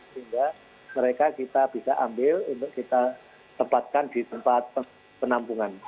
sehingga mereka kita bisa ambil untuk kita tempatkan di tempat penampungan